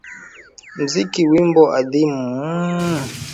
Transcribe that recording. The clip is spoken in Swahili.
muziki wimbo adimu mmuuuuh